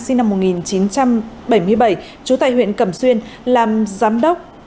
sinh năm một nghìn chín trăm bảy mươi bảy trú tại huyện cẩm xuyên làm giám đốc